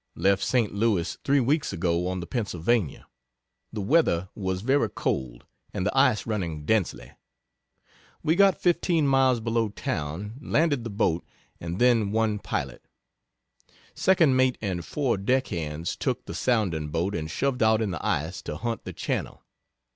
Left Saint Louis three weeks ago on the Pennsylvania. The weather was very cold, and the ice running densely. We got 15 miles below town, landed the boat, and then one pilot. Second Mate and four deck hands took the sounding boat and shoved out in the ice to hunt the channel.